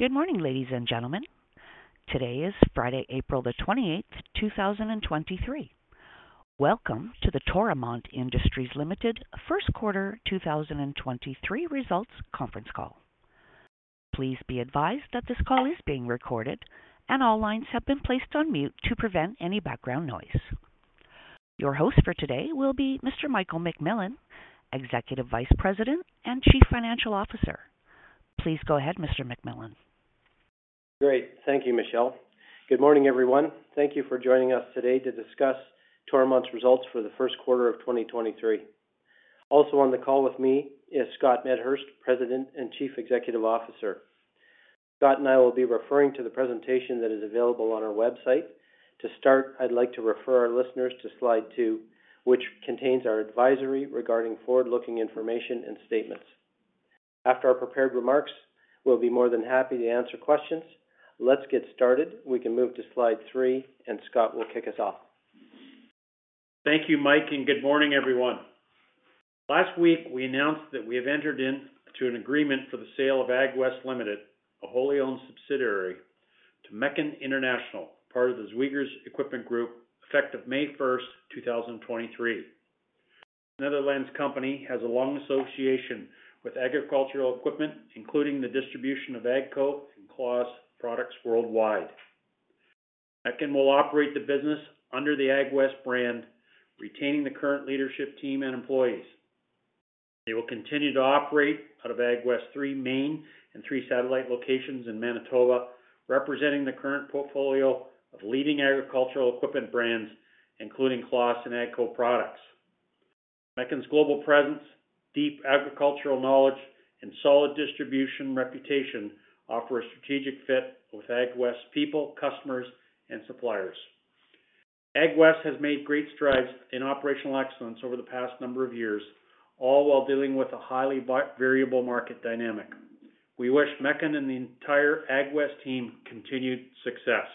Good morning, ladies and gentlemen. Today is Friday, April the 28th, 2023. Welcome to the Toromont Industries Ltd. first quarter 2023 results conference call. Please be advised that this call is being recorded and all lines have been placed on mute to prevent any background noise. Your host for today will be Mr. Michael McMillan, Executive Vice President and Chief Financial Officer. Please go ahead, Mr. McMillan. Great. Thank you, Michelle. Good morning, everyone. Thank you for joining us today to discuss Toromont's results for the first quarter of 2023. Also on the call with me is Scott Medhurst, President and Chief Executive Officer. Scott and I will be referring to the presentation that is available on our website. To start, I'd like to refer our listeners to slide two, which contains our advisory regarding forward-looking information and statements. After our prepared remarks, we'll be more than happy to answer questions. Let's get started. We can move to slide three and Scott will kick us off. Thank you, Mike, and good morning, everyone. Last week, we announced that we have entered into an agreement for the sale of AgWest Ltd., a wholly owned subsidiary to Mechan International, part of the Zweegers Equipment Group, effective May 1st, 2023. Netherlands company has a long association with agricultural equipment, including the distribution of AGCO and CLAAS products worldwide. Mechan will operate the business under the AgWest brand, retaining the current leadership team and employees. They will continue to operate out of AgWest three main and three satellite locations in Manitoba, representing the current portfolio of leading agricultural equipment brands, including CLAAS and AGCO products. Mechan's global presence, deep agricultural knowledge, and solid distribution reputation offer a strategic fit with AgWest people, customers, and suppliers. AgWest has made great strides in operational excellence over the past number of years, all while dealing with a highly variable market dynamic. We wish Mechan and the entire AgWest team continued success.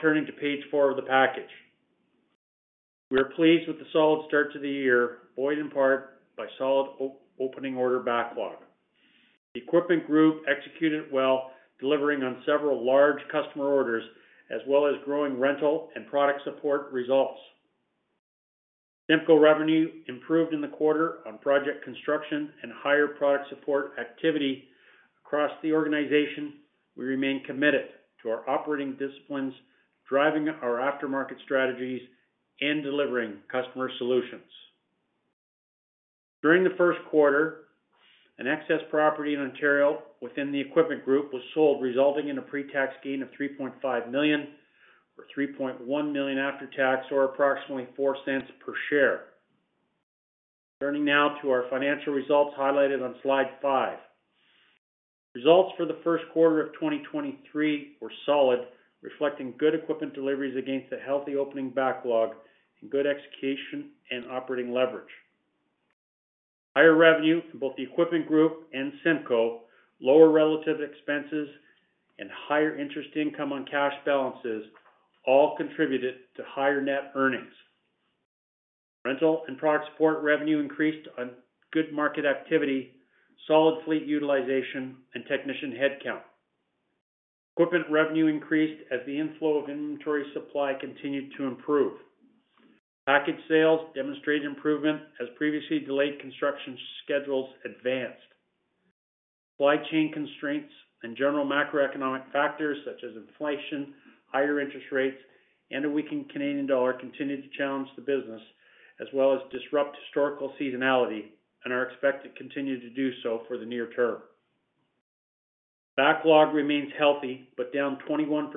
Turning to page four of the package. We are pleased with the solid start to the year, buoyed in part by solid opening order backlog. The equipment group executed well, delivering on several large customer orders, as well as growing rental and product support results. CIMCO revenue improved in the quarter on project construction and higher product support activity across the organization. We remain committed to our operating disciplines, driving our aftermarket strategies and delivering customer solutions. During the first quarter, an excess property in Ontario within the equipment group was sold, resulting in a pre-tax gain of 3.5 million, or 3.1 million after tax, or approximately 0.04 per share. Turning now to our financial results highlighted on slide five. Results for the first quarter of 2023 were solid, reflecting good equipment deliveries against a healthy opening backlog and good execution and operating leverage. Higher revenue in both the equipment group and CIMCO, lower relative expenses, and higher interest income on cash balances all contributed to higher net earnings. Rental and product support revenue increased on good market activity, solid fleet utilization, and technician headcount. Equipment revenue increased as the inflow of inventory supply continued to improve. Package sales demonstrated improvement as previously delayed construction schedules advanced. Supply chain constraints and general macroeconomic factors such as inflation, higher interest rates, and a weakened Canadian dollar continued to challenge the business as well as disrupt historical seasonality and are expected to continue to do so for the near term. Backlog remains healthy, but down 21%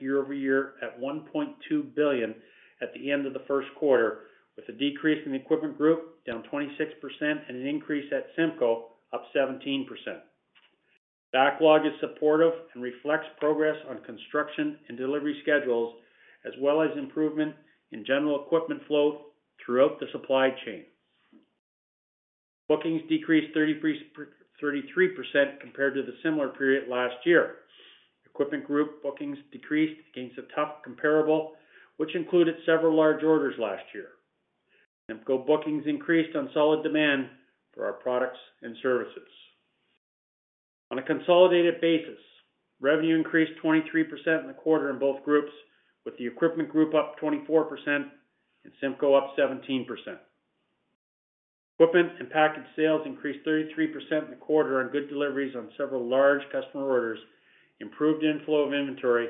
year-over-year at 1.2 billion at the end of the first quarter, with a decrease in equipment group down 26% and an increase at CIMCO up 17%. Backlog is supportive and reflects progress on construction and delivery schedules, as well as improvement in general equipment flow throughout the supply chain. Bookings decreased 33% compared to the similar period last year. Equipment group bookings decreased against a tough comparable, which included several large orders last year. CIMCO bookings increased on solid demand for our products and services. On a consolidated basis, revenue increased 23% in the quarter in both groups, with the equipment group up 24% and CIMCO up 17%. Equipment and package sales increased 33% in the quarter on good deliveries on several large customer orders, improved inflow of inventory,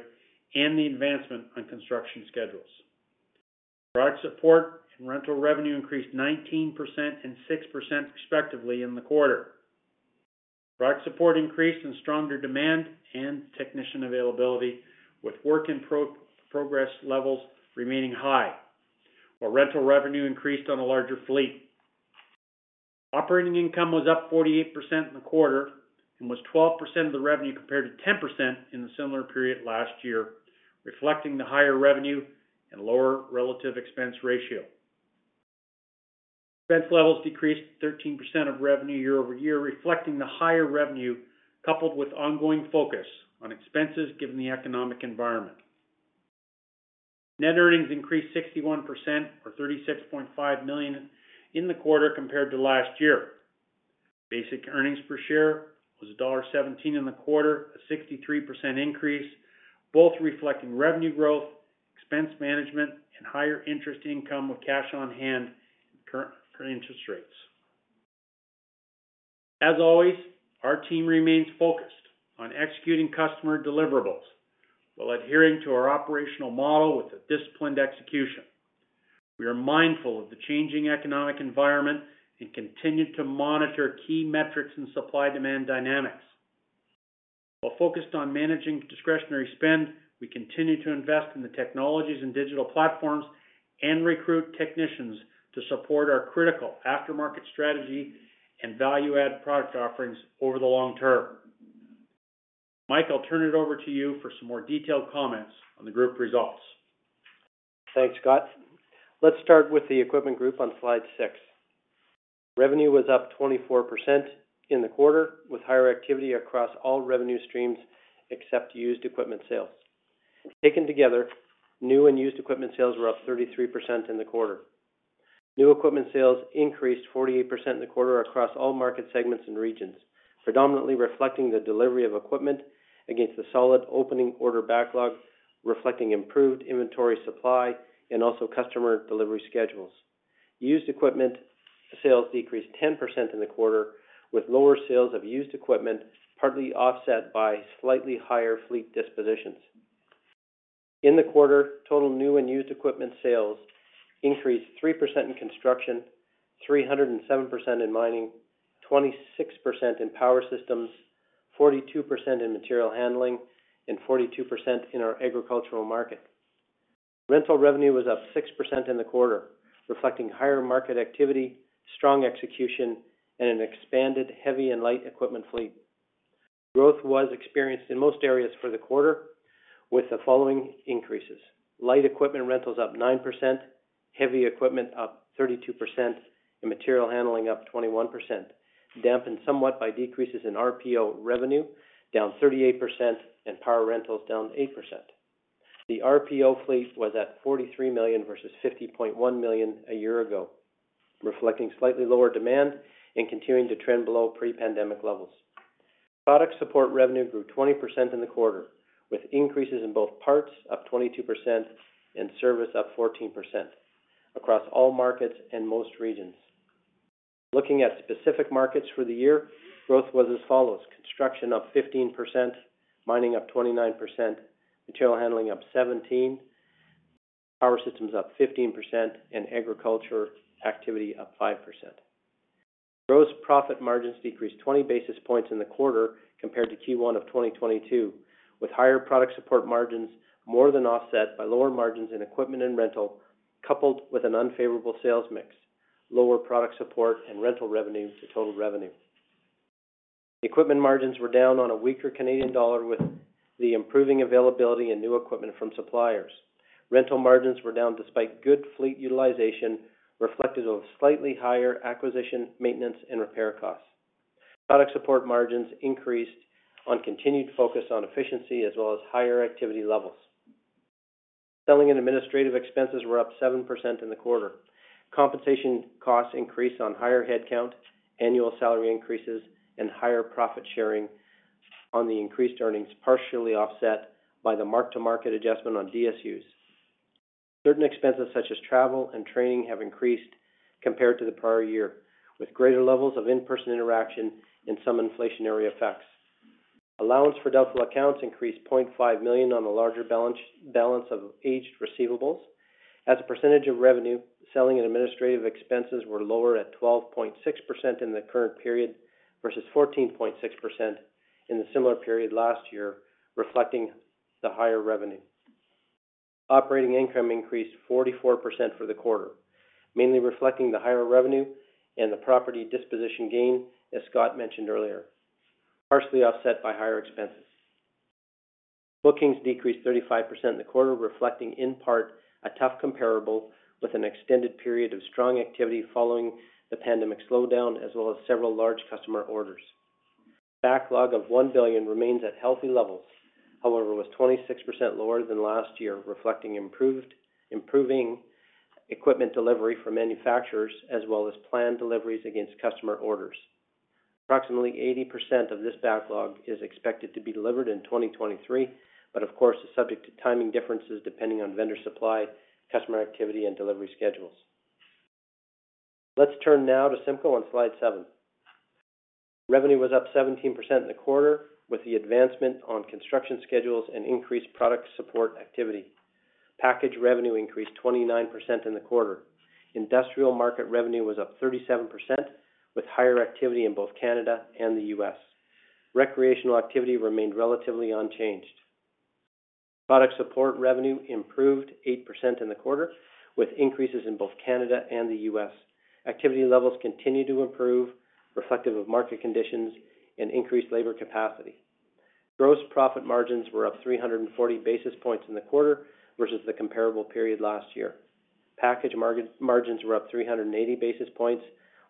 and the advancement on construction schedules. Product support and rental revenue increased 19% and 6% respectively in the quarter. Product support increased in stronger demand and technician availability with work in pro-progress levels remaining high, while rental revenue increased on a larger fleet. Operating income was up 48% in the quarter and was 12% of the revenue compared to 10% in the similar period last year, reflecting the higher revenue and lower relative expense ratio. Expense levels decreased 13% of revenue year-over-year, reflecting the higher revenue coupled with ongoing focus on expenses given the economic environment. Net earnings increased 61% or 36.5 million in the quarter compared to last year. Basic earnings per share was dollar 1.17 in the quarter, a 63% increase, both reflecting revenue growth, expense management, and higher interest income with cash on hand and current interest rates. As always, our team remains focused on executing customer deliverables while adhering to our operational model with a disciplined execution. We are mindful of the changing economic environment and continue to monitor key metrics in supply-demand dynamics. While focused on managing discretionary spend, we continue to invest in the technologies and digital platforms and recruit technicians to support our critical aftermarket strategy and value-add product offerings over the long term. Mike, I'll turn it over to you for some more detailed comments on the group results. Thanks, Scott. Let's start with the equipment group on slide six. Revenue was up 24% in the quarter, with higher activity across all revenue streams except used equipment sales. Taken together, new and used equipment sales were up 33% in the quarter. New equipment sales increased 48% in the quarter across all market segments and regions, predominantly reflecting the delivery of equipment against the solid opening order backlog, reflecting improved inventory supply and also customer delivery schedules. Used equipment sales decreased 10% in the quarter, with lower sales of used equipment partly offset by slightly higher fleet dispositions. In the quarter, total new and used equipment sales increased 3% in construction, 307% in mining, 26% in power systems, 42% in material handling, and 42% in our agricultural market. Rental revenue was up 6% in the quarter, reflecting higher market activity, strong execution, and an expanded heavy and light equipment fleet. Growth was experienced in most areas for the quarter with the following increases: light equipment rentals up 9%, heavy equipment up 32%, and material handling up 21%, dampened somewhat by decreases in RPO revenue down 38% and power rentals down 8%. The RPO fleet was at 43 million versus 50.1 million a year ago, reflecting slightly lower demand and continuing to trend below pre-pandemic levels. Product support revenue grew 20% in the quarter, with increases in both parts up 22% and service up 14% across all markets and most regions. Looking at specific markets for the year, growth was as follows: construction up 15%, mining up 29%, material handling up 17%, power systems up 15%, and agriculture activity up 5%. Gross profit margins decreased 20 basis points in the quarter compared to Q1 of 2022, with higher product support margins more than offset by lower margins in equipment and rental, coupled with an unfavorable sales mix, lower product support and rental revenue to total revenue. Equipment margins were down on a weaker Canadian dollar with the improving availability and new equipment from suppliers. Rental margins were down despite good fleet utilization, reflective of slightly higher acquisition, maintenance, and repair costs. Product support margins increased on continued focus on efficiency as well as higher activity levels. Selling and administrative expenses were up 7% in the quarter. Compensation costs increased on higher headcount, annual salary increases, and higher profit sharing on the increased earnings, partially offset by the mark-to-market adjustment on DSUs. Certain expenses such as travel and training have increased compared to the prior year, with greater levels of in-person interaction and some inflationary effects. Allowance for doubtful accounts increased 0.5 million on a larger balance of aged receivables. As a percentage of revenue, selling and administrative expenses were lower at 12.6% in the current period versus 14.6% in the similar period last year, reflecting the higher revenue. Operating income increased 44% for the quarter, mainly reflecting the higher revenue and the property disposition gain, as Scott mentioned earlier, partially offset by higher expenses. Bookings decreased 35% in the quarter, reflecting in part a tough comparable with an extended period of strong activity following the pandemic slowdown, as well as several large customer orders. Backlog of 1 billion remains at healthy levels, however, was 26% lower than last year, reflecting improving equipment delivery from manufacturers as well as planned deliveries against customer orders. Approximately 80% of this backlog is expected to be delivered in 2023, but of course, is subject to timing differences depending on vendor supply, customer activity, and delivery schedules. Let's turn now to CIMCO on slide seven. Revenue was up 17% in the quarter with the advancement on construction schedules and increased product support activity. Package revenue increased 29% in the quarter. Industrial market revenue was up 37%, with higher activity in both Canada and the U.S. Recreational activity remained relatively unchanged. Product support revenue improved 8% in the quarter, with increases in both Canada and the U.S. Activity levels continue to improve, reflective of market conditions and increased labor capacity. Gross profit margins were up 340 basis points in the quarter versus the comparable period last year. Package margins were up 380 basis points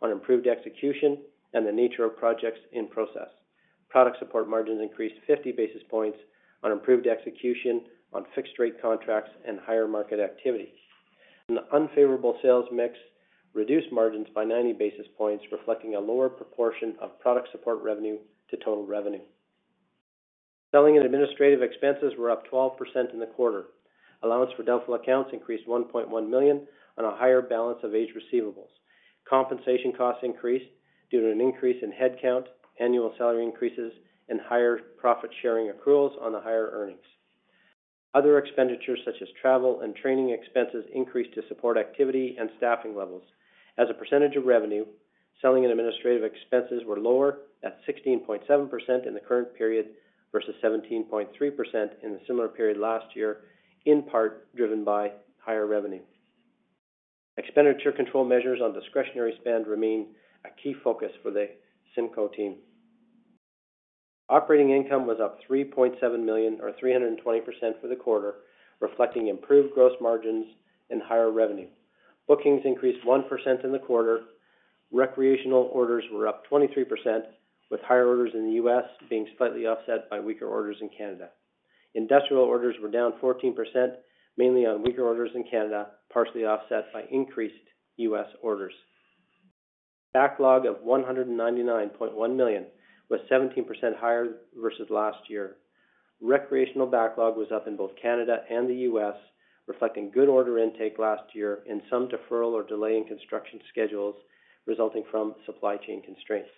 on improved execution and the nature of projects in process. Product support margins increased 50 basis points on improved execution on fixed rate contracts and higher market activity. The unfavorable sales mix reduced margins by 90 basis points, reflecting a lower proportion of product support revenue to total revenue. Selling and administrative expenses were up 12% in the quarter. Allowance for doubtful accounts increased 1.1 million on a higher balance of age receivables. Compensation costs increased due to an increase in headcount, annual salary increases, and higher profit-sharing accruals on the higher earnings. Other expenditures, such as travel and training expenses, increased to support activity and staffing levels. As a percentage of revenue, selling and administrative expenses were lower at 16.7% in the current period versus 17.3% in the similar period last year, in part driven by higher revenue. Expenditure control measures on discretionary spend remain a key focus for the CIMCO team. Operating income was up 3.7 million or 320% for the quarter, reflecting improved gross margins and higher revenue. Bookings increased 1% in the quarter. Recreational orders were up 23%, with higher orders in the U.S. being slightly offset by weaker orders in Canada. Industrial orders were down 14%, mainly on weaker orders in Canada, partially offset by increased U.S. orders. Backlog of 199.1 million was 17% higher versus last year. Recreational backlog was up in both Canada and the U.S., reflecting good order intake last year in some deferral or delay in construction schedules resulting from supply chain constraints.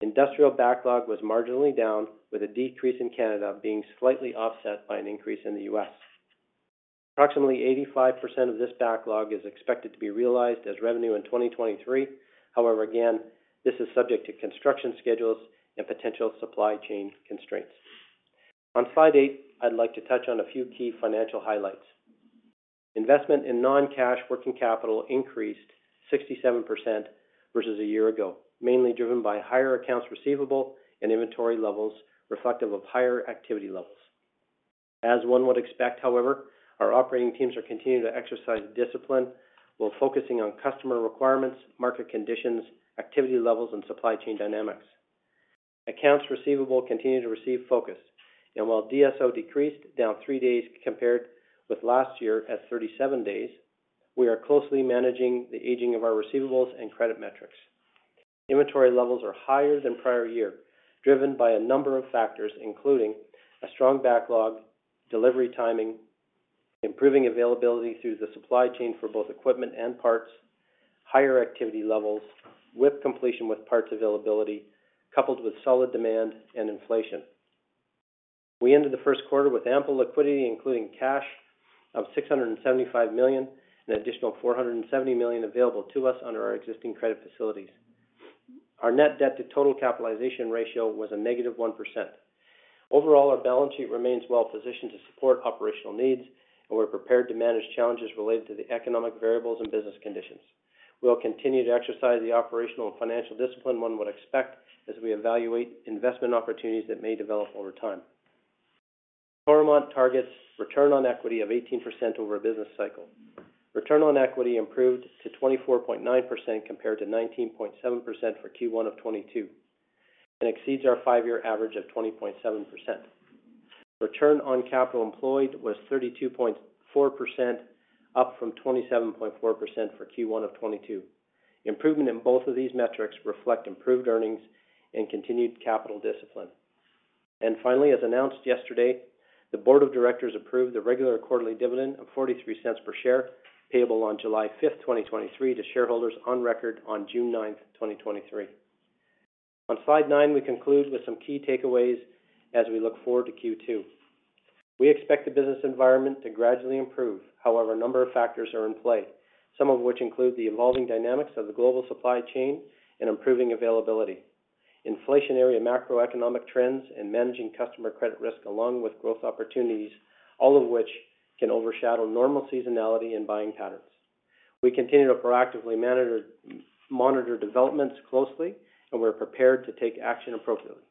Industrial backlog was marginally down, with a decrease in Canada being slightly offset by an increase in the U.S. Approximately 85% of this backlog is expected to be realized as revenue in 2023. However, again, this is subject to construction schedules and potential supply chain constraints. On slide eight, I'd like to touch on a few key financial highlights. Investment in non-cash working capital increased 67% versus a year ago, mainly driven by higher accounts receivable and inventory levels reflective of higher activity levels. As one would expect, however, our operating teams are continuing to exercise discipline while focusing on customer requirements, market conditions, activity levels, and supply chain dynamics. Accounts receivable continue to receive focus, and while DSO decreased, down three days compared with last year at 37 days, we are closely managing the aging of our receivables and credit metrics. Inventory levels are higher than prior year, driven by a number of factors, including a strong backlog, delivery timing, improving availability through the supply chain for both equipment and parts, higher activity levels with completion with parts availability, coupled with solid demand and inflation. We ended the first quarter with ample liquidity, including cash of 675 million, an additional 470 million available to us under our existing credit facilities. Our net debt to total capitalization ratio was a -1%. Overall, our balance sheet remains well positioned to support operational needs. We're prepared to manage challenges related to the economic variables and business conditions. We'll continue to exercise the operational and financial discipline one would expect as we evaluate investment opportunities that may develop over time. Toromont targets return on equity of 18% over a business cycle. Return on equity improved to 24.9% compared to 19.7% for Q1 of 2022, and exceeds our five-year average of 20.7%. Return on capital employed was 32.4%, up from 27.4% for Q1 of 2022. Improvement in both of these metrics reflect improved earnings and continued capital discipline. Finally, as announced yesterday, the board of directors approved the regular quarterly dividend of 0.43 per share, payable on July 5th, 2023 to shareholders on record on June 9th, 2023. On slide nine, we conclude with some key takeaways as we look forward to Q2. We expect the business environment to gradually improve. However, a number of factors are in play, some of which include the evolving dynamics of the global supply chain and improving availability, inflationary and macroeconomic trends, and managing customer credit risk along with growth opportunities, all of which can overshadow normal seasonality and buying patterns. We continue to proactively monitor developments closely, and we're prepared to take action appropriately.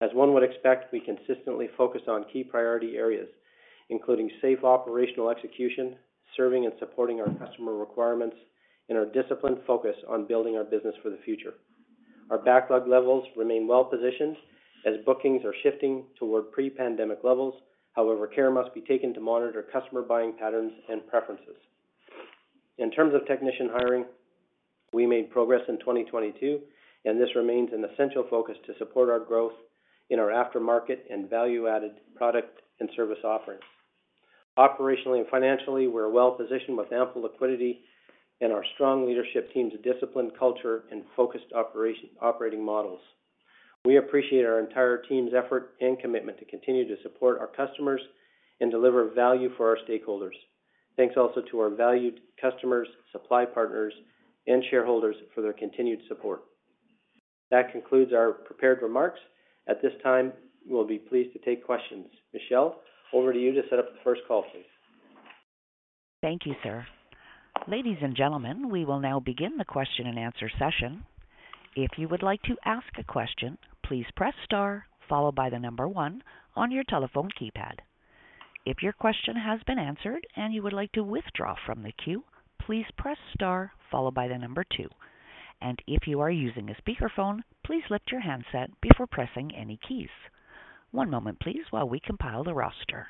As one would expect, we consistently focus on key priority areas, including safe operational execution, serving and supporting our customer requirements, and our disciplined focus on building our business for the future. Our backlog levels remain well-positioned as bookings are shifting toward pre-pandemic levels. Care must be taken to monitor customer buying patterns and preferences. In terms of technician hiring, we made progress in 2022. This remains an essential focus to support our growth in our aftermarket and value-added product and service offerings. Operationally and financially, we're well-positioned with ample liquidity and our strong leadership team's disciplined culture and focused operating models. We appreciate our entire team's effort and commitment to continue to support our customers and deliver value for our stakeholders. Thanks also to our valued customers, supply partners, and shareholders for their continued support. That concludes our prepared remarks. At this time, we'll be pleased to take questions. Michelle, over to you to set up the first call, please. Thank you, sir. Ladies and gentlemen, we will now begin the question and answer session. If you would like to ask a question, please press star followed by the number one on your telephone keypad. If your question has been answered and you would like to withdraw from the queue, please press star followed by the number two. If you are using a speakerphone, please lift your handset before pressing any keys. One moment please while we compile the roster.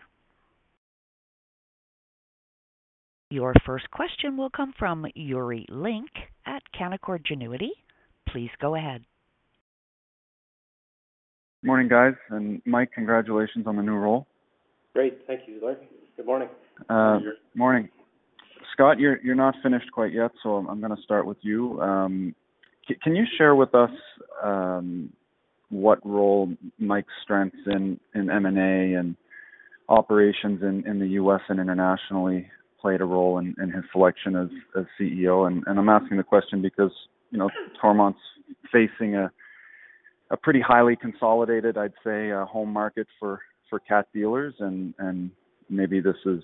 Your first question will come from Yuri Lynk at Canaccord Genuity. Please go ahead. Morning, guys. Mike, congratulations on the new role. Great. Thank you, Yuri. Good morning. Morning. Scott, you're not finished quite yet, so I'm gonna start with you. Can you share with us what role Mike's strengths in M&A and operations in the U.S. and internationally played a role in his selection as CEO? I'm asking the question because, you know, Toromont's facing a pretty highly consolidated, I'd say, home market for Cat dealers. Maybe this is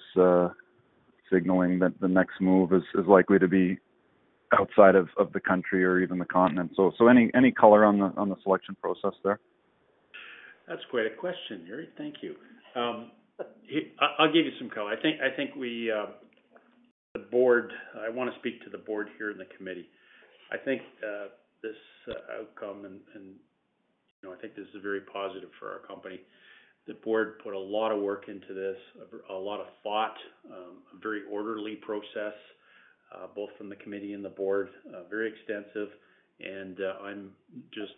signaling that the next move is likely to be outside of the country or even the continent. Any color on the selection process there? That's quite a question, Yuri. Thank you. I'll give you some color. I think we want to speak to the board here and the committee. I think this outcome and, you know, I think this is very positive for our company. The board put a lot of work into this, a lot of thought, a very orderly process, both from the committee and the board, very extensive. I'm just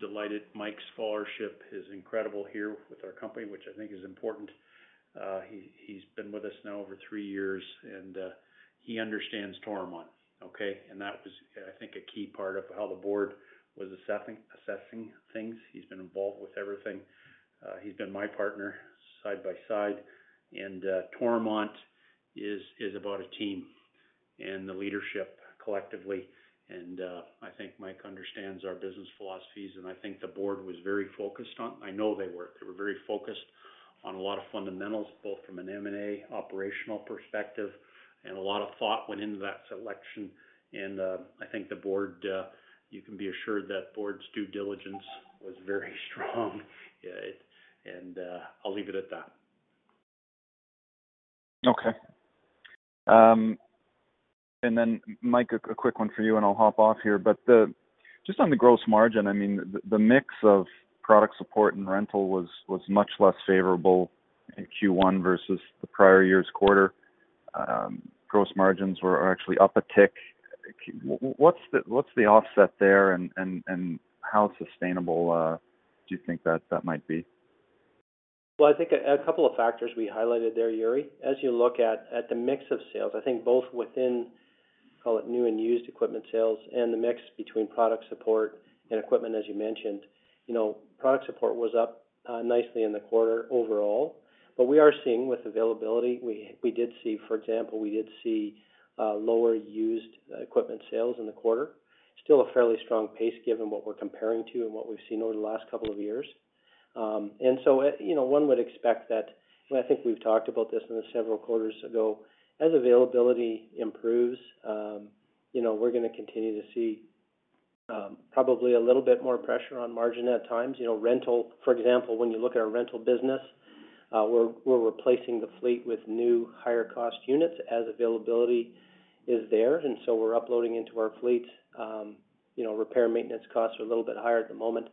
delighted. Mike's scholarship is incredible here with our company, which I think is important. He's been with us now over three years, and he understands Toromont, okay? That was, I think, a key part of how the board was assessing things. He's been involved with everything. He's been my partner side by side. Toromont is about a team and the leadership collectively. I think Mike understands our business philosophies, and I think the board was very focused on. I know they were. They were very focused on a lot of fundamentals, both from an M&A operational perspective, and a lot of thought went into that selection. I think the board, you can be assured that board's due diligence was very strong. I'll leave it at that. Okay. Mike, a quick one for you, and I'll hop off here. Just on the gross margin, I mean, the mix of product support and rental was much less favorable in Q1 versus the prior year's quarter. Gross margins were actually up a tick. What's the offset there and how sustainable do you think that might be? I think a couple of factors we highlighted there, Yuri. As you look at the mix of sales, I think both within, call it, new and used equipment sales and the mix between product support and equipment, as you mentioned. You know, product support was up nicely in the quarter overall. We are seeing with availability, for example, we did see lower used equipment sales in the quarter. Still a fairly strong pace given what we're comparing to and what we've seen over the last couple of years. So, you know, one would expect that, and I think we've talked about this in the several quarters ago, as availability improves, you know, we're gonna continue to see, probably a little bit more pressure on margin at times. You know, rental... For example, when you look at our rental business, we're replacing the fleet with new higher cost units as availability is there. We're uploading into our fleet. You know, repair and maintenance costs are a little bit higher at the moment.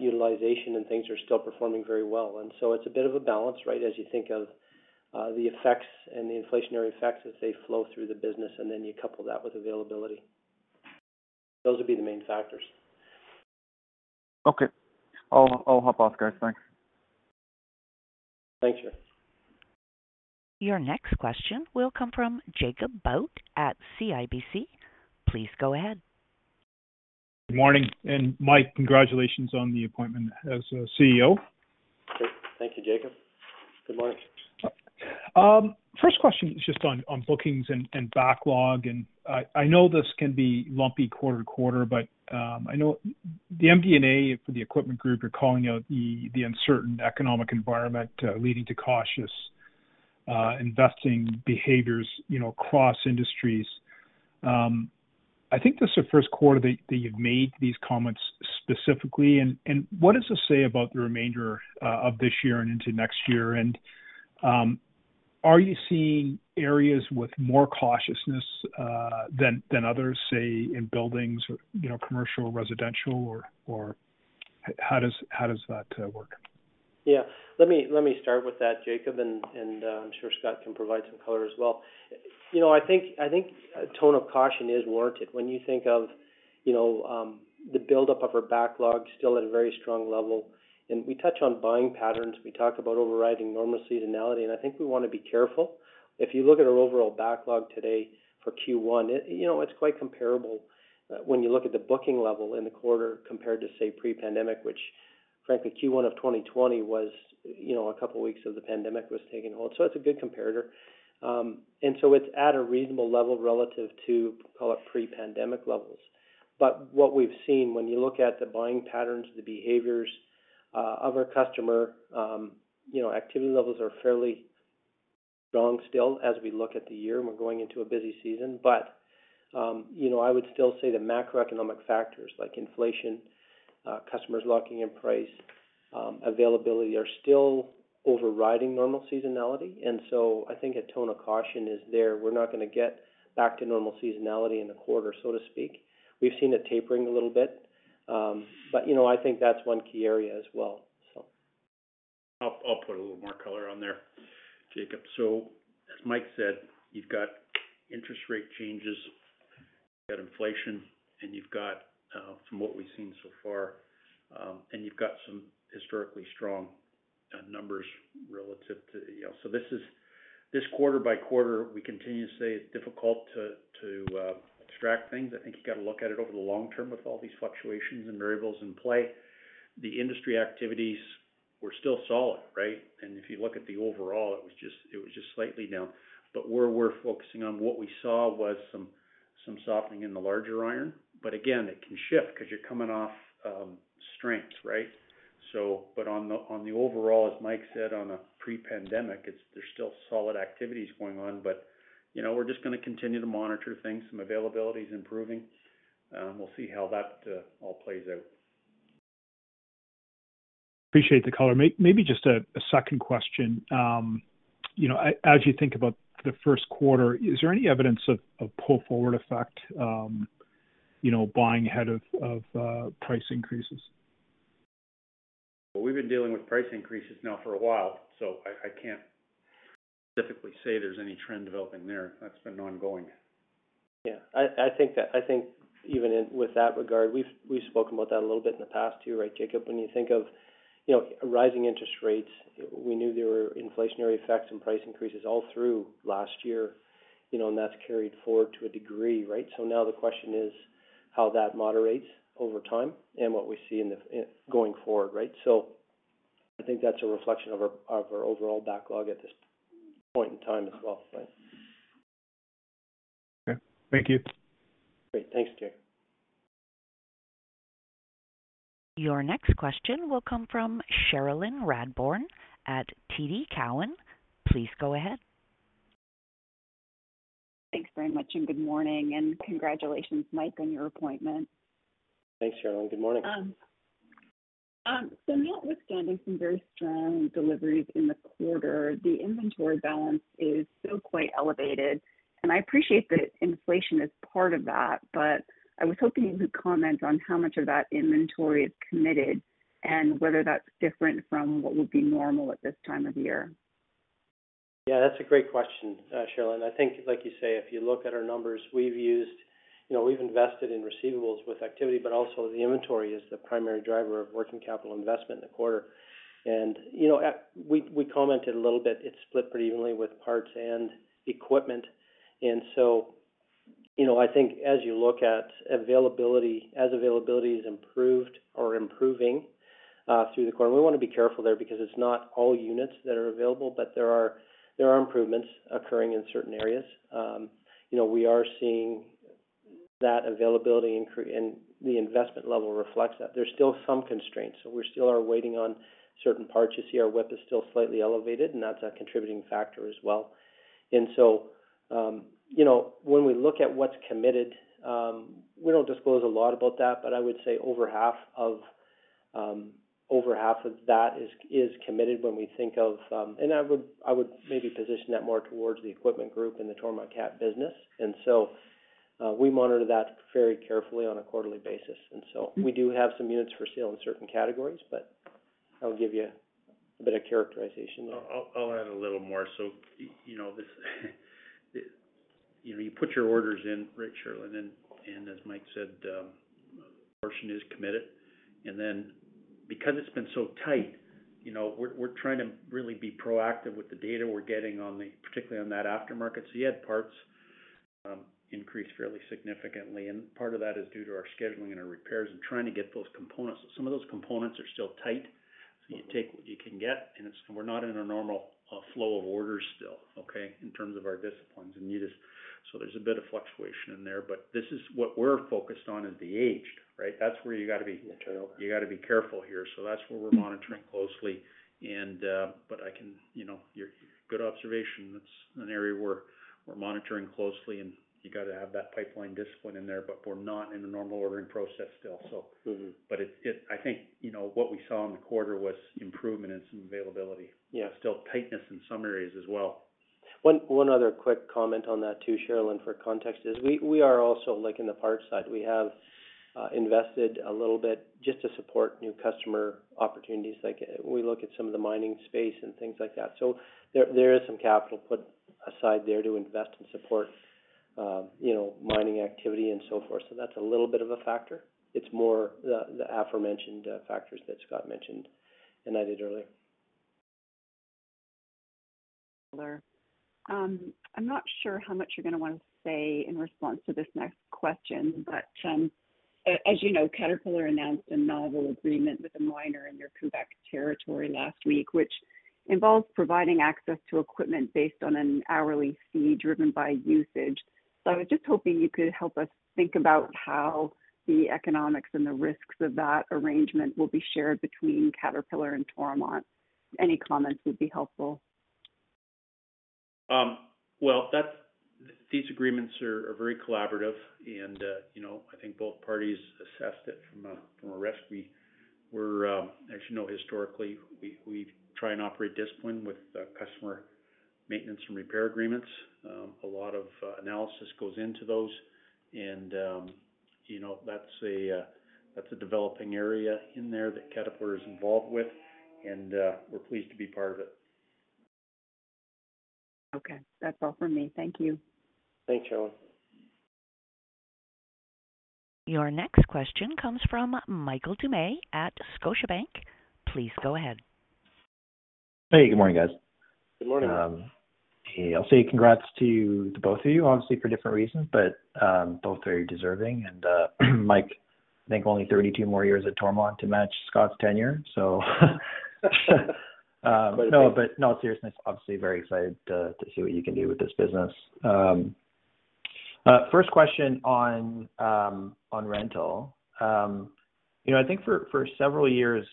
Utilization and things are still performing very well. It's a bit of a balance, right? As you think of the effects and the inflationary effects as they flow through the business, then you couple that with availability. Those would be the main factors. Okay. I'll hop off, guys. Thanks. Thanks, Yuri. Your next question will come from Jacob Bout at CIBC. Please go ahead. Good morning. Mike, congratulations on the appointment as CEO. Great. Thank you, Jacob. Good morning. First question is just on bookings and backlog. I know this can be lumpy quarter to quarter, but I know the MD&A for the equipment group, you're calling out the uncertain economic environment, leading to cautious investing behaviors, you know, across industries. I think this is the first quarter that you've made these comments specifically. What does this say about the remainder of this year and into next year? Are you seeing areas with more cautiousness than others, say, in buildings or, you know, commercial, residential or how does that work? Yeah. Let me start with that, Jacob, and I'm sure Scott can provide some color as well. You know, I think, I think a tone of caution is warranted when you think of, you know, the buildup of our backlog still at a very strong level. We touch on buying patterns. We talk about overriding normal seasonality, and I think we wanna be careful. If you look at our overall backlog today for Q1, it, you know, it's quite comparable, when you look at the booking level in the quarter compared to, say, pre-pandemic, which frankly, Q1 of 2020 was, you know, a couple weeks of the pandemic was taking hold. It's a good comparator. It's at a reasonable level relative to, call it, pre-pandemic levels. What we've seen when you look at the buying patterns, the behaviors of our customer, you know, activity levels are fairly strong still as we look at the year and we're going into a busy season. You know, I would still say the macroeconomic factors like inflation, customers locking in price, availability, are still overriding normal seasonality. I think a tone of caution is there. We're not gonna get back to normal seasonality in a quarter, so to speak. We've seen it tapering a little bit. You know, I think that's one key area as well. I'll put a little more color on there, Jacob. As Mike said, you've got interest rate changes, you've got inflation, and you've got, from what we've seen so far, and you've got some historically strong numbers relative to... You know, this quarter by quarter, we continue to say it's difficult to extract things. I think you got to look at it over the long term with all these fluctuations and variables in play. The industry activities were still solid, right? If you look at the overall, it was just, it was just slightly down. Where we're focusing on what we saw was some softening in the larger iron. Again, it can shift 'cause you're coming off strengths, right? On the, on the overall, as Mike said, on a pre-pandemic, there's still solid activities going on. You know, we're just gonna continue to monitor things. Some availability is improving. We'll see how that all plays out. Appreciate the color. Maybe just a second question. You know, as you think about the first quarter, is there any evidence of pull-forward effect, you know, buying ahead of price increases? We've been dealing with price increases now for a while, so I can't specifically say there's any trend developing there. That's been ongoing. Yeah. I think that, I think even in with that regard, we've spoken about that a little bit in the past too, right, Jacob? When you think of, you know, rising interest rates, we knew there were inflationary effects and price increases all through last year, you know, and that's carried forward to a degree, right? Now the question is how that moderates over time and what we see going forward, right? I think that's a reflection of our overall backlog at this point in time as well. Okay. Thank you. Great. Thanks, Jacob. Your next question will come from Cherilyn Radbourne at TD Cowen. Please go ahead. Thanks very much. Good morning. Congratulations, Mike, on your appointment. Thanks, Cherilyn. Good morning. Notwithstanding some very strong deliveries in the quarter, the inventory balance is still quite elevated. I appreciate that inflation is part of that. I was hoping you could comment on how much of that inventory is committed and whether that's different from what would be normal at this time of year. Yeah, that's a great question, Cherilyn. I think, like you say, if you look at our numbers, you know, we've invested in receivables with activity. The inventory is the primary driver of working capital investment in the quarter. You know, we commented a little bit, it's split pretty evenly with parts and equipment. You know, I think as you look at availability, as availability is improved or improving through the quarter, we wanna be careful there because it's not all units that are available, but there are improvements occurring in certain areas. You know, we are seeing that availability, and the investment level reflects that. There's still some constraints. We still are waiting on certain parts. You see our WIP is still slightly elevated. That's a contributing factor as well. You know, when we look at what's committed, we don't disclose a lot about that, but I would say over half of that is committed when we think of... I would maybe position that more towards the equipment group and the Toromont Cat business. We monitor that very carefully on a quarterly basis. We do have some units for sale in certain categories, but that'll give you a bit of characterization there. I'll add a little more. You know, this, you know, you put your orders in, right, Cherilyn? As Mike said, a portion is committed. Because it's been so tight, you know, we're trying to really be proactive with the data we're getting on the, particularly on that aftermarket. Yeah, parts increased fairly significantly, and part of that is due to our scheduling and our repairs and trying to get those components. Some of those components are still tight, so you take what you can get, and we're not in a normal flow of orders still, okay, in terms of our disciplines and need is. There's a bit of fluctuation in there, but this is what we're focused on is the aged, right? That's where you gotta be. The turnover... you gotta be careful here. That's where we're monitoring closely. You know, good observation. That's an area we're monitoring closely, and you gotta have that pipeline discipline in there. We're not in a normal ordering process still, so. Mm-hmm. It I think, you know, what we saw in the quarter was improvement in some availability. Yeah. Still tightness in some areas as well. One other quick comment on that too, Cherilyn, for context, is we are also, like in the parts side, we have invested a little bit just to support new customer opportunities. Like we look at some of the mining space and things like that. So there is some capital put aside there to invest and support, you know, mining activity and so forth. So that's a little bit of a factor. It's more the aforementioned factors that Scott mentioned and I did earlier. Sure. I'm not sure how much you're gonna want to say in response to this next question, but, as you know, Caterpillar announced a novel agreement with a miner in your Quebec territory last week. Involves providing access to equipment based on an hourly fee driven by usage. I was just hoping you could help us think about how the economics and the risks of that arrangement will be shared between Caterpillar and Toromont. Any comments would be helpful. Well, these agreements are very collaborative and, you know, I think both parties assessed it from a risk. We're, as you know, historically, we try and operate discipline with customer maintenance and repair agreements. A lot of analysis goes into those and, you know, that's a developing area in there that Caterpillar is involved with, and we're pleased to be part of it. Okay. That's all for me. Thank you. Thanks, Cherilyn. Your next question comes from Michael Doumet at Scotiabank. Please go ahead. Hey, good morning, guys. Good morning. I'll say congrats to both of you, obviously for different reasons, but both very deserving. Mike, I think only 32 more years at Toromont to match Scott Medhurst's tenure. In all seriousness, obviously very excited to see what you can do with this business. First question on rental. You know, I think for several years,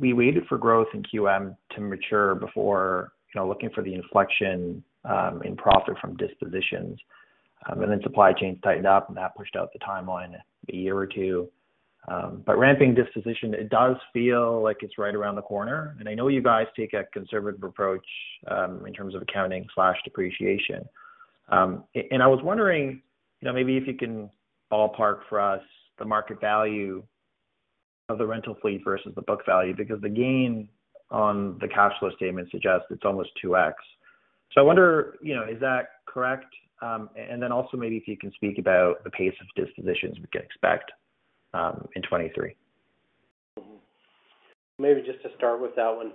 we waited for growth in QM to mature before, you know, looking for the inflection in profit from dispositions. Supply chains tightened up, and that pushed out the timeline a year or two. Ramping disposition, it does feel like it's right around the corner. I know you guys take a conservative approach in terms of accounting/depreciation. I was wondering, you know, maybe if you can ballpark for us the market value of the rental fleet versus the book value, because the gain on the cash flow statement suggests it's almost 2x. I wonder, you know, is that correct? Then also maybe if you can speak about the pace of dispositions we can expect in 2023. Maybe just to start with that one.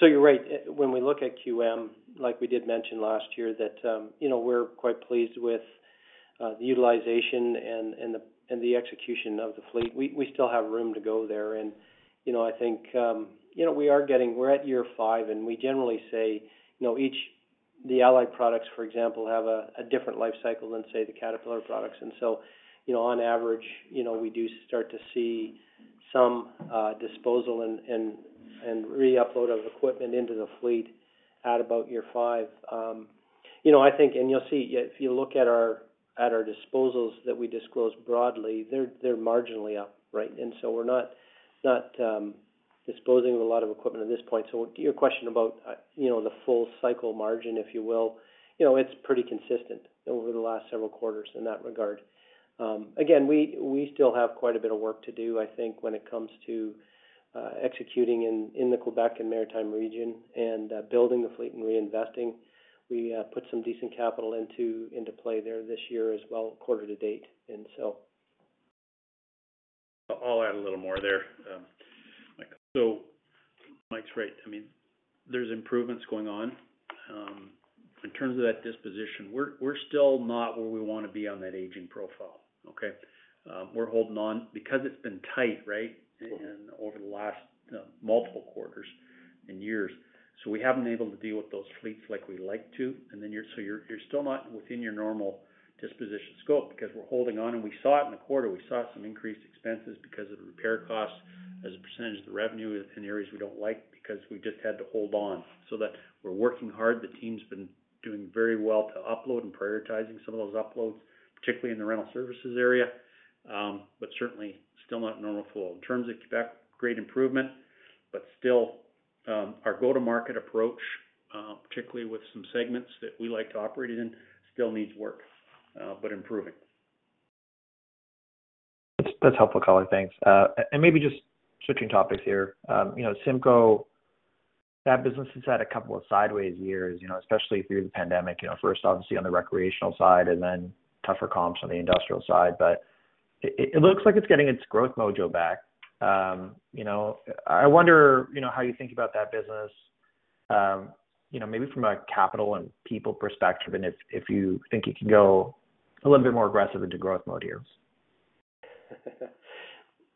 You're right. When we look at QM, like we did mention last year that, you know, we're quite pleased with the utilization and the execution of the fleet. We still have room to go there. You know, I think, you know, We're at year five, and we generally say, you know, The Allied products, for example, have a different life cycle than, say, the Caterpillar products. You know, on average, you know, we do start to see some disposal and re-upload of equipment into the fleet at about year five. You know, I think, and you'll see if you look at our disposals that we disclose broadly, they're marginally up, right? We're not disposing of a lot of equipment at this point. To your question about, you know, the full cycle margin, if you will, you know, it's pretty consistent over the last several quarters in that regard. Again, we still have quite a bit of work to do, I think, when it comes to executing in the Quebec and Maritime region and building the fleet and reinvesting. We put some decent capital into play there this year as well, quarter to date. I'll add a little more there. Mike's right. I mean, there's improvements going on. In terms of that disposition, we're still not where we wanna be on that aging profile, okay? We're holding on because it's been tight, right? Over the last multiple quarters and years. We haven't been able to deal with those fleets like we like to. You're still not within your normal disposition scope because we're holding on. We saw it in the quarter, we saw some increased expenses because of the repair costs as a percentage of the revenue in areas we don't like because we just had to hold on. That we're working hard. The team's been doing very well to upload and prioritizing some of those uploads, particularly in the rental services area. Certainly still not normal flow. In terms of Quebec, great improvement, but still, our go-to-market approach, particularly with some segments that we like to operate in, still needs work, but improving. That's helpful color. Thanks. Maybe just switching topics here. You know, CIMCO, that business has had a couple of sideways years, you know, especially through the pandemic, you know, first obviously on the recreational side and then tougher comps on the industrial side. It looks like it's getting its growth mojo back. You know, I wonder, you know, how you think about that business, you know, maybe from a capital and people perspective, and if you think you can go a little bit more aggressive into growth mode here.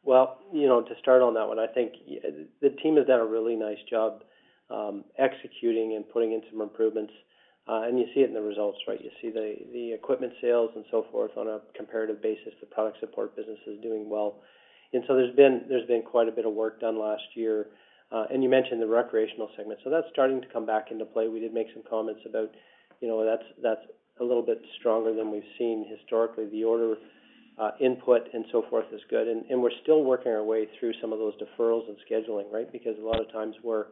Well, you know, to start on that one, I think the team has done a really nice job, executing and putting in some improvements. You see it in the results, right? You see the equipment sales and so forth on a comparative basis. The product support business is doing well. So there's been quite a bit of work done last year. You mentioned the recreational segment, so that's starting to come back into play. We did make some comments about, you know, that's a little bit stronger than we've seen historically. The order input and so forth is good. We're still working our way through some of those deferrals and scheduling, right? Because a lot of times we're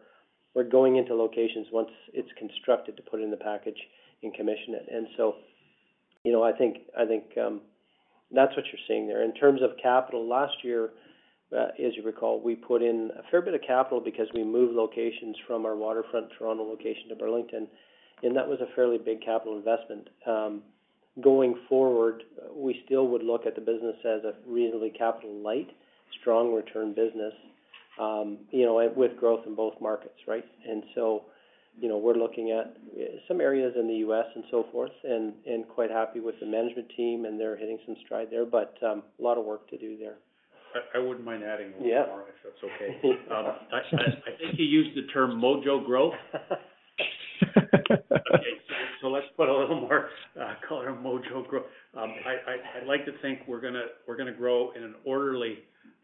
going into locations once it's constructed to put in the package and commission it. You know, I think, I think, that's what you're seeing there. In terms of capital, last year, as you recall, we put in a fair bit of capital because we moved locations from our waterfront Toronto location to Burlington, and that was a fairly big capital investment. Going forward, we still would look at the business as a reasonably capital light, strong return business, you know, with growth in both markets, right? You know, we're looking at some areas in the U.S. and so forth, and quite happy with the management team, and they're hitting some stride there, but, a lot of work to do there. I wouldn't mind adding a little more. Yeah. -if that's okay. I think you used the term mojo growth. Let's put a little more color, mojo growth. I'd like to think we're gonna grow in an orderly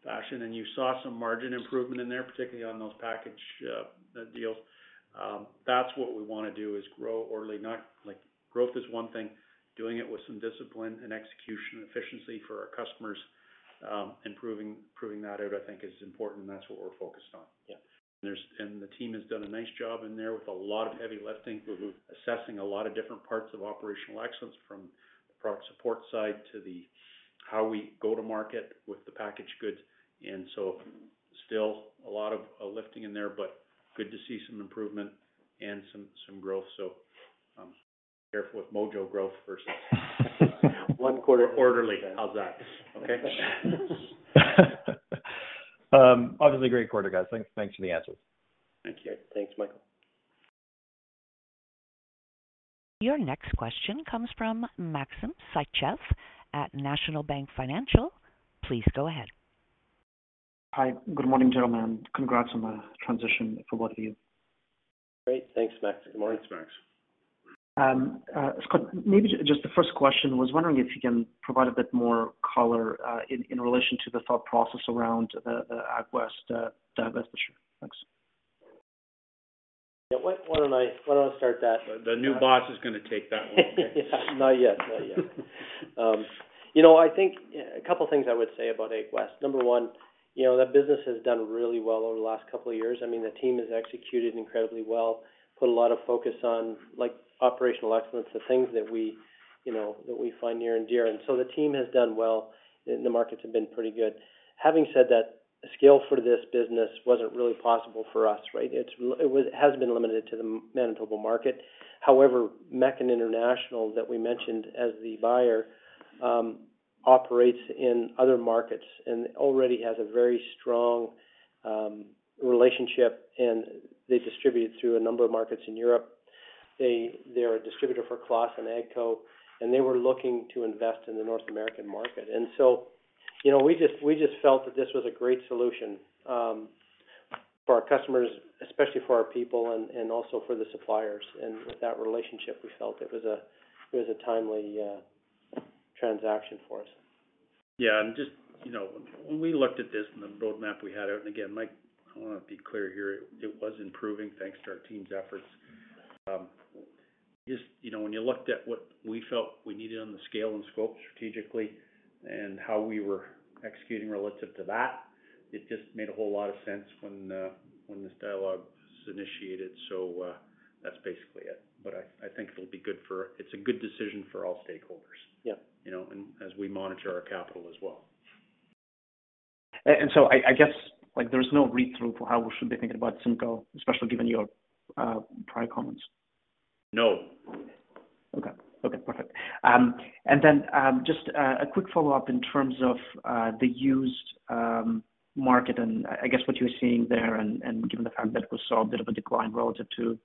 fashion. You saw some margin improvement in there, particularly on those package deals. That's what we wanna do, is grow orderly. Not. Like, growth is one thing, doing it with some discipline and execution efficiency for our customers, and proving that out, I think is important, and that's what we're focused on. Yeah. The team has done a nice job in there with a lot of heavy lifting. Mm-hmm. Assessing a lot of different parts of operational excellence from the product support side to the how we go to market with the packaged goods. Still a lot of lifting in there, but good to see some improvement and some growth. Careful with mojo growth versus- One quarter. Orderly. How's that? Okay. Obviously great quarter, guys. Thanks for the answers. Thank you. Thanks, Michael. Your next question comes from Maxim Sytchev at National Bank Financial. Please go ahead. Hi. Good morning, gentlemen. Congrats on the transition for both of you. Great. Thanks, Max. Good morning. Thanks, Max. Scott, maybe just the first question. Was wondering if you can provide a bit more color, in relation to the thought process around the AgWest divestiture. Thanks. Yeah. Why don't I start that? The new boss is gonna take that one. Not yet. Not yet. You know, I think a couple things I would say about AgWest. Number one, you know, that business has done really well over the last couple of years. I mean, the team has executed incredibly well. Put a lot of focus on, like, operational excellence, the things that we, you know, that we find near and dear. The team has done well, and the markets have been pretty good. Having said that, scale for this business wasn't really possible for us, right? It has been limited to the Manitoba market. However, Mechan International that we mentioned as the buyer, operates in other markets and already has a very strong relationship, and they distribute through a number of markets in Europe. They're a distributor for CLAAS and AGCO, and they were looking to invest in the North American market. You know, we just felt that this was a great solution for our customers, especially for our people and also for the suppliers. With that relationship, we felt it was a timely transaction for us. Just, you know, when we looked at this and the roadmap we had out, and again, Mike, I wanna be clear here, it was improving thanks to our team's efforts. Just, you know, when you looked at what we felt we needed on the scale and scope strategically and how we were executing relative to that, it just made a whole lot of sense when this dialogue was initiated. That's basically it. I think it's a good decision for all stakeholders. Yeah. You know, as we monitor our capital as well. I guess, like, there's no read-through for how we should be thinking about CIMCO, especially given your prior comments. No. Okay. Okay, perfect. Then, just a quick follow-up in terms of the used market and I guess what you're seeing there and given the fact that we saw a bit of a decline relative to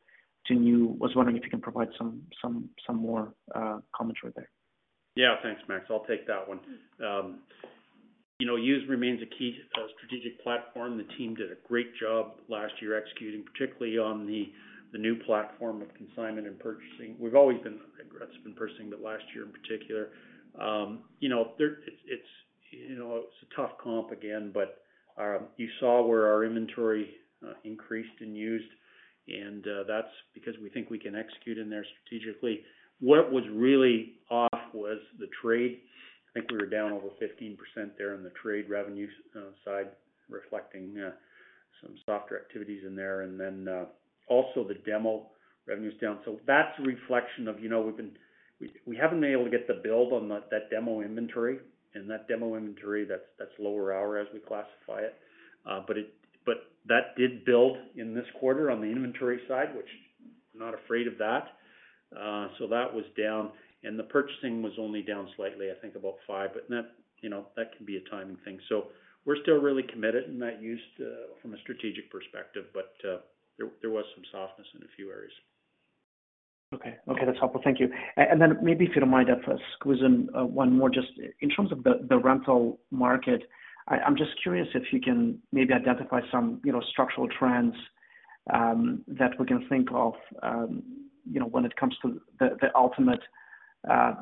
new, was wondering if you can provide some more commentary there? Yeah. Thanks, Max. I'll take that one. you know, used remains a key strategic platform. The team did a great job last year executing, particularly on the new platform of consignment and purchasing. We've always been aggressive in purchasing, but last year in particular. you know, there, it's, you know, it's a tough comp again, but you saw where our inventory increased in used, and that's because we think we can execute in there strategically. What was really off was the trade. I think we were down over 15% there on the trade revenue side, reflecting some softer activities in there. Also the demo revenue's down. That's a reflection of, you know, we haven't been able to get the build on that demo inventory. That demo inventory, that's lower hour as we classify it. That did build in this quarter on the inventory side, which I'm not afraid of that. That was down. The purchasing was only down slightly, I think about five. That, you know, that can be a timing thing. We're still really committed in that used from a strategic perspective, there was some softness in a few areas. Okay. Okay, that's helpful. Thank you. Then maybe if you don't mind, I'd squeeze in one more just in terms of the rental market. I'm just curious if you can maybe identify some, you know, structural trends that we can think of, you know, when it comes to the ultimate,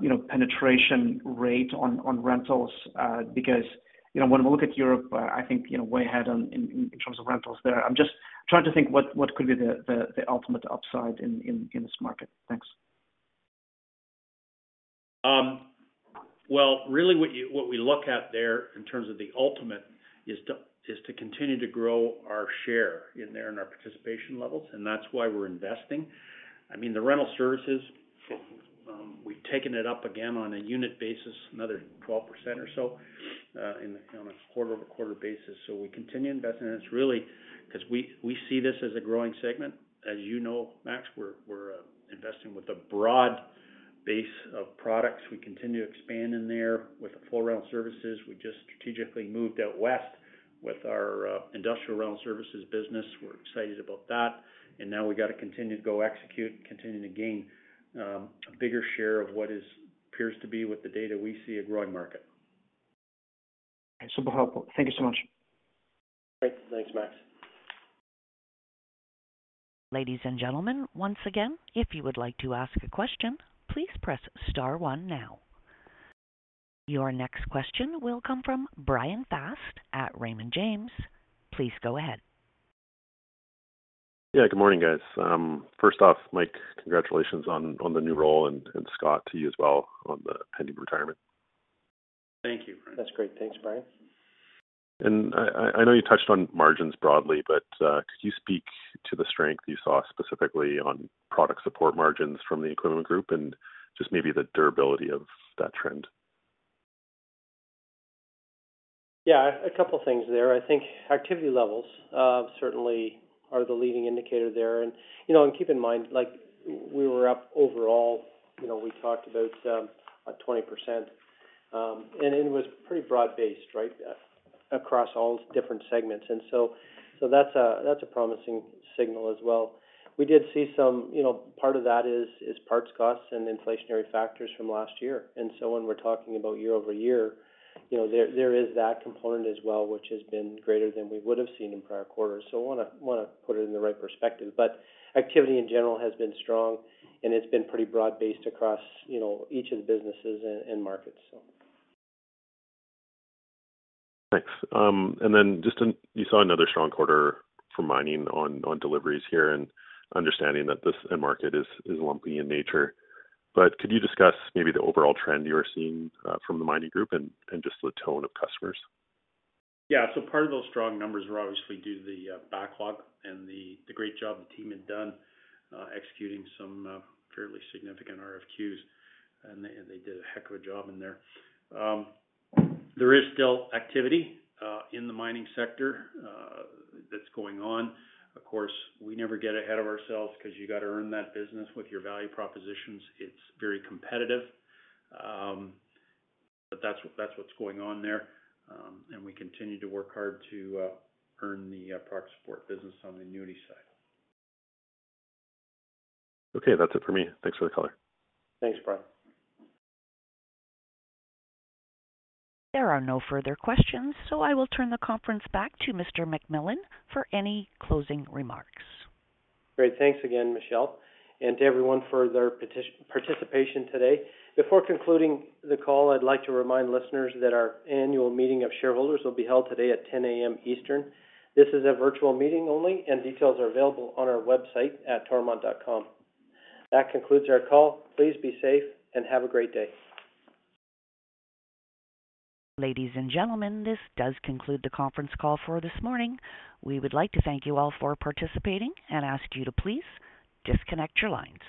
you know, penetration rate on rentals. Because, you know, when we look at Europe, I think, you know, way ahead on in terms of rentals there. I'm just trying to think what could be the ultimate upside in this market. Thanks. Well, really what we look at there in terms of the ultimate is to, is to continue to grow our share in there and our participation levels, and that's why we're investing. I mean, the rental services, we've taken it up again on a unit basis, another 12% or so, on a quarter-over-quarter basis. We continue investing, and it's really 'cause we see this as a growing segment. As you know, Max, we're investing with a broad base of products. We continue to expand in there with the full route services. We just strategically moved out west with our industrial route services business. We're excited about that. Now we gotta continue to go execute, continue to gain a bigger share of what is appears to be with the data we see a growing market. Super helpful. Thank you so much. Great. Thanks, Max. Ladies and gentlemen, once again, if you would like to ask a question, please press star one now. Your next question will come from Bryan Fast at Raymond James. Please go ahead. Good morning, guys. First off, Mike, congratulations on the new role and Scott to you as well on the pending retirement. Thank you, Bryan. That's great. Thanks, Bryan. I know you touched on margins broadly, but could you speak to the strength you saw specifically on product support margins from the equipment group and just maybe the durability of that trend? Yeah, a couple things there. I think activity levels certainly are the leading indicator there. You know, and keep in mind, like we were up overall, you know, we talked about 20%, and it was pretty broad-based, right, across all different segments. That's a, that's a promising signal as well. We did see some... You know, part of that is parts costs and inflationary factors from last year. When we're talking about year-over-year, you know, there is that component as well, which has been greater than we would have seen in prior quarters. Wanna put it in the right perspective. Activity in general has been strong, and it's been pretty broad-based across, you know, each of the businesses and markets, so. Thanks. Then just you saw another strong quarter for mining on deliveries here and understanding that this end market is lumpy in nature. Could you discuss maybe the overall trend you are seeing from the mining group and just the tone of customers? Yeah. Part of those strong numbers were obviously due to the backlog and the great job the team had done executing some fairly significant RFQs, and they did a heck of a job in there. There is still activity in the mining sector that's going on. Of course, we never get ahead of ourselves 'cause you gotta earn that business with your value propositions. It's very competitive. That's what's going on there. We continue to work hard to earn the product support business on the annuity side. Okay, that's it for me. Thanks for the color. Thanks, Bryan. There are no further questions. I will turn the conference back to Mr. McMillan for any closing remarks. Great. Thanks again, Michelle, and to everyone for their participation today. Before concluding the call, I'd like to remind listeners that our annual meeting of shareholders will be held today at 10 A.M. Eastern. This is a virtual meeting only, and details are available on our website at toromont.com. That concludes our call. Please be safe and have a great day. Ladies and gentlemen, this does conclude the conference call for this morning. We would like to thank you all for participating and ask you to please disconnect your lines.